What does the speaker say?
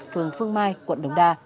phương mai quận đồng đa